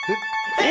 えっ？